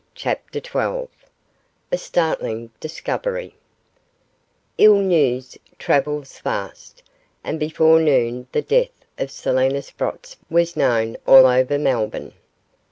CHAPTER XII A STARTLING DISCOVERY Ill news travels fast, and before noon the death of Selina Sprotts was known all over Melbourne.